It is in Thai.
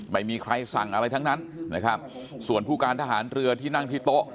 ไม่มีใครสั่งอะไรทั้งนั้นนะครับส่วนผู้การทหารเรือที่นั่งที่โต๊ะ